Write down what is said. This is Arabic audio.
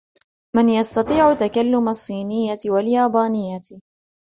من يستطيع تكلم الصينية واليابانية